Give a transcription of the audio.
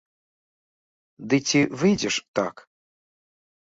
Ды ці выйдзе ж так?